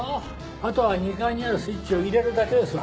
あとは２階にあるスイッチを入れるだけですわ。